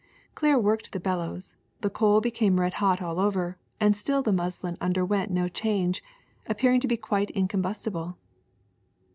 Claire worked the bellows, the coal became red hot all over, and still the muslin underwent no change, appearing to be quite incombustible.